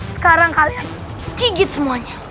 sekarang kalian gigit semuanya